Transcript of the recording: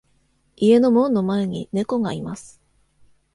家の門の前に猫がいます。